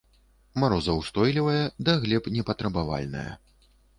Марозаўстойлівая, да глеб не патрабавальная.